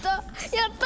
やった！